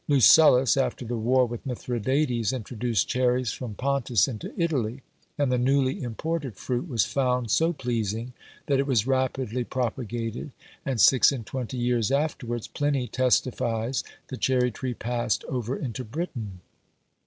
Lucullus, after the war with Mithridates, introduced cherries from Pontus into Italy; and the newly imported fruit was found so pleasing, that it was rapidly propagated, and six and twenty years afterwards Pliny testifies the cherry tree passed over into Britain.